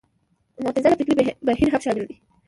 معتزله فکري بهیر هم شامل دی